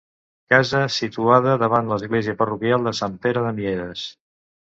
Casa situada davant l'església parroquial de Sant Pere de Mieres.